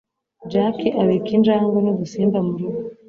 Jack abika injangwe nudusimba murugo.